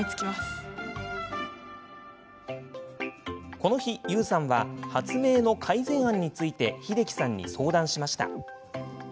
この日、由羽さんは発明の改善案について英樹さんに相談しました。